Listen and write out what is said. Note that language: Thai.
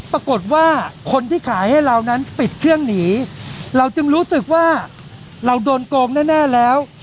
ปรากฏว่าคนที่ขายให้เรานั้นปิดเครื่องหนีเราจึงรู้สึกว่าเราโดนโกงแน่แล้ว